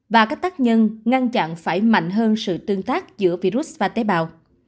và các tác nhân ngăn chặn phải mạnh hơn sự tương tác giữa virus và tế bào